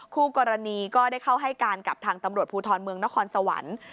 คู่กรณีก็ได้เข้าให้การกับทางตำรวจภูทรเมืองนครสวรรค์